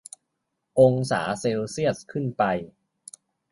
องศาเซลเซียสขึ้นไป